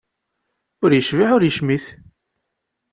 Ur yecbiḥ ur yecmit.